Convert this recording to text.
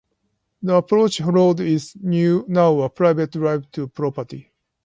The approach road is now a private drive to the property.